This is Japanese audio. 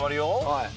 はい。